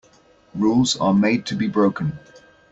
Rules are made to be broken.